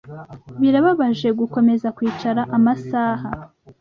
Birababaje gukomeza kwicara amasaha